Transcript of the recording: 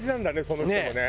その人もね。